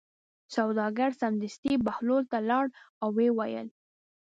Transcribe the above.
سوداګر سمدستي بهلول ته لاړ او ویې ویل.